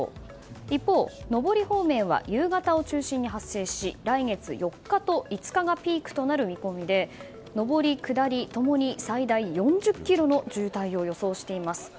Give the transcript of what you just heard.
一方、上り方面は夕方を中心に発生し来月４日と５日がピークとなる見込みで上り、下りともに最大４０ｋｍの渋滞を予想しています。